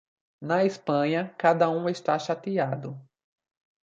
Na Espanha, cada um está chateado.